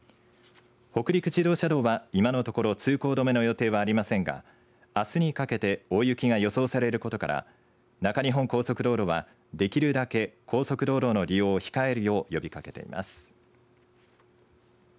北陸自動車道は今のところ通行止めの予定はありませんがあすにかけて大雪が予想されることから中日本高速道路は、できるだけ高速道路の利用を控えるよう呼びかけています。